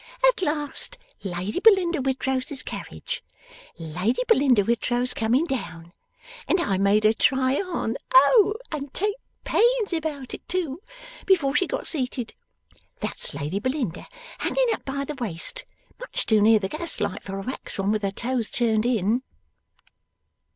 At last, "Lady Belinda Whitrose's carriage! Lady Belinda Whitrose coming down!" And I made her try on oh! and take pains about it too before she got seated. That's Lady Belinda hanging up by the waist, much too near the gaslight for a wax one, with her toes turned in.